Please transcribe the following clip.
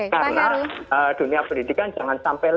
karena dunia pendidikan jangan sampai lalu